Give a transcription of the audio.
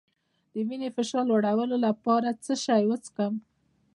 د وینې فشار لوړولو لپاره څه شی وڅښم؟